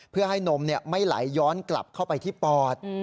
เพื่อให้นมไม่ไหลย้อนกลับเข้าไปที่ปอด